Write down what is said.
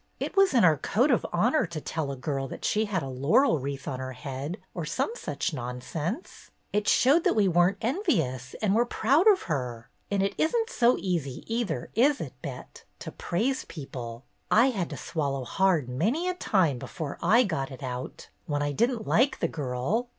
It was in our code of honor to tell a girl that she had a laurel wreath on her head or some such nonsense. It showed that we 212 BETTY BAIRD'S GOLDEN YEAR were n't envious and were proud of her. And it is n't so easy either, is it, Bet, to praise people ? I had to swallow hard many a time before I got it out, when I did n't like the girl.